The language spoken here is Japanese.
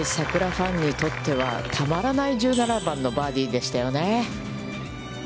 ファンにとっては、たまらない１７番のバーディーでしたよね。